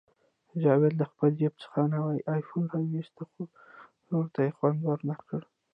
جاوید له خپل جیب څخه نوی آیفون راوویست، خو نورو ته یې خوند ورنکړ